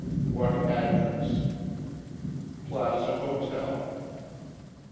"What address?" "Plaza Hotel."